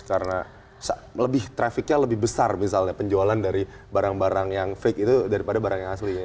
karena lebih trafficnya lebih besar misalnya penjualan dari barang barang yang fake itu daripada barang yang aslinya